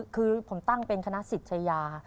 คือผมตั้งเป็นคณะศิษยา